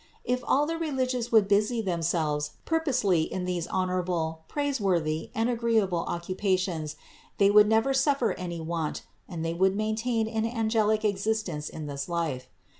If all the religious would busy themselves purposely in these honorable, praiseworthy and agreeable occupations they would never suffer any want and they would maintain an angelic ex istence in this life.